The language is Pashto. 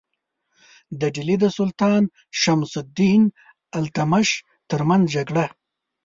د ډهلي د سلطان شمس الدین التمش ترمنځ جګړه.